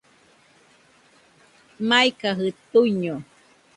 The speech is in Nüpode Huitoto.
Maikajɨ tuiño